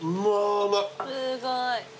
すごい。